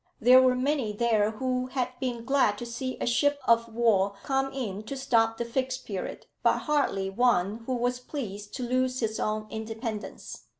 There were many there who had been glad to see a ship of war come in to stop the Fixed Period, but hardly one who was pleased to lose his own independence.